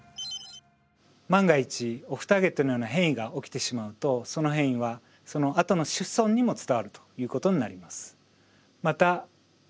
万が一オフターゲットのような変異が起きてしまうとその変異はそのあとの子孫にも伝わるということになります。